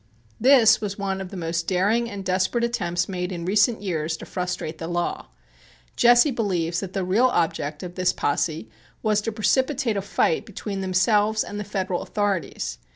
This was one of the most daring and desperate attempts made in recent years to frustrate the law. Jesse believes that the real object of this posse was to precipitate a fight between themselves and the Federal authorities.